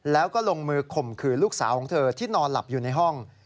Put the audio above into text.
แล้วก็ลงมือข่มขืนลูกสาวของเธอที่นอนหลับอยู่ในห้อง